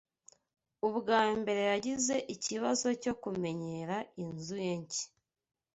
Ubwa mbere yagize ikibazo cyo kumenyera inzu ye nshya